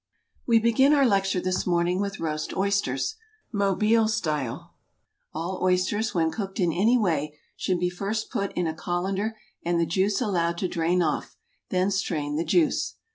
We begin our lecture this morning with roast oysters, Mobile style. All oysters, when cooked in any way, should be first put in a colander and the juice allowed to drain off, then strain the juice.